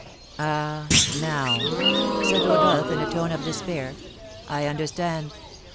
"Ah, now," said Rodolph, in a tone of despair, "I understand.